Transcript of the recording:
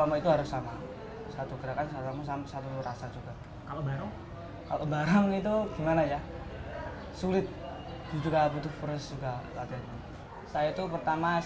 barbelan itu digigit terus